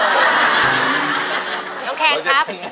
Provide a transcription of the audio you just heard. โอ้โห